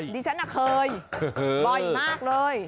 ดิฉันเคยบ่อยมากเลย